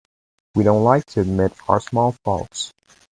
We don't like to admit our small faults.